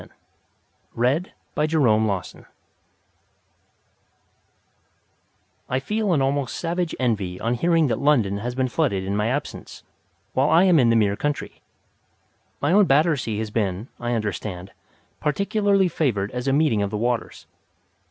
ON RUNNING AFTER ONE'S HAT I feel an almost savage envy on hearing that London has been flooded in my absence, while I am in the mere country. My own Battersea has been, I understand, particularly favoured as a meeting of the waters.